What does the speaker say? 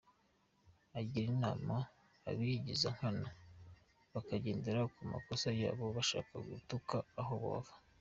Agira inama abigiza nkana bakagendera ku makosa yabo bashaka gutuka aho bava.